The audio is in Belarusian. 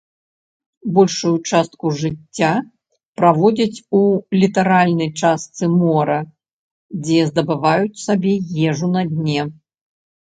Большую частку жыцця праводзяць у літаральнай частцы мора, дзе здабываюць сабе ежу на дне.